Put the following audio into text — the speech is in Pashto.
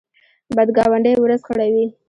بد ګاونډی ورځ خړوي